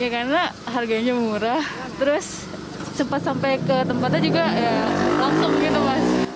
karena harganya murah terus sempat sampai ke tempatnya juga langsung